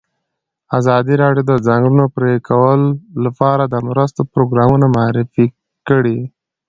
ازادي راډیو د د ځنګلونو پرېکول لپاره د مرستو پروګرامونه معرفي کړي.